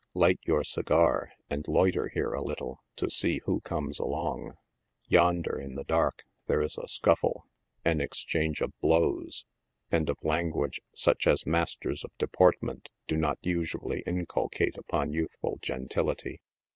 Light your segar, and loiter here, a little, to see who comes along. Yonder, in the dark, there is a scuffle, an exchange of blows, and of language such as masters of deportment do not usually inculcate upon youthful gentility.